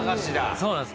そうなんです。